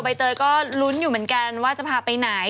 ใบเตยก็ลุ้นอยู่เหมือนกันว่าจะพาไปไหน